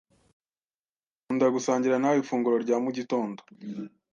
Nkunda gusangira nawe ifunguro rya mu gitondo.